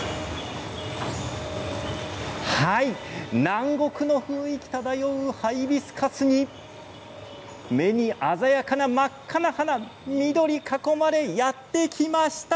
南国の雰囲気漂うハイビスカスに目に鮮やかな真っ赤な花緑に囲まれてやってきました。